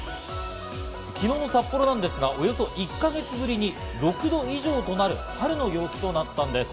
昨日の札幌なんですが、およそ１か月ぶりに６度以上となる春の陽気となったんです。